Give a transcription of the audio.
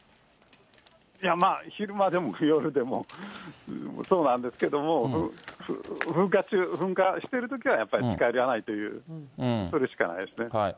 昼間でも夜でもそうなんですけども、噴火中、噴火しているときはやっぱり近寄らないということでしかないです